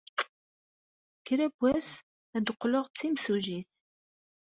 Kra n wass, ad qqleɣ d timsujjit.